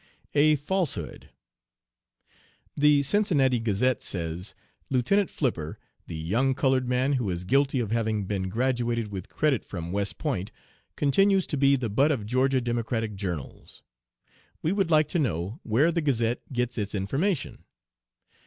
A FALSEHOOD. "The Cincinnati Gazette says: 'Lieutenant Flipper, the young colored man who is guilty of having been graduated with credit from West Point, continues to be the butt of Georgia Democratic journals.' We would like to know where the Gazette gets its information.